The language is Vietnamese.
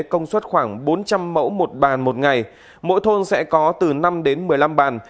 công suất khoảng bốn trăm linh mẫu một bàn một ngày mỗi thôn sẽ có từ năm đến một mươi năm bàn